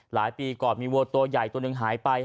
หลายปีก่อนมีวัวตัวใหญ่ตัวหนึ่งหายไป